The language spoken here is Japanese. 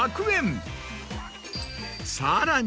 さらに。